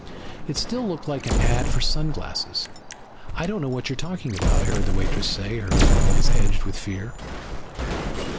It still looked like an ad for sun glasses. "I don't know what you're talking about," I heard the waitress say, her voice edged with fear.